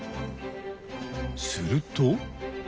すると。